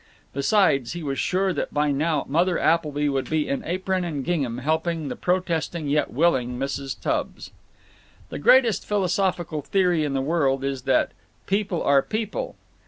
Besides, he was sure that by now Mother Appleby would be in apron and gingham, helping the protesting yet willing Mrs. Tubbs. The greatest philosophical theory in the world is that "people are people."